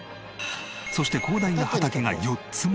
そして広大な畑が４つも！